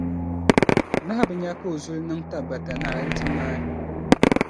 Nahu bi nya ka o zuli niŋ tabata naɣila di ti ŋmaai.